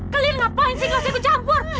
kalian ngapain sih gak usah ikut campur